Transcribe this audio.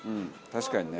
確かにね。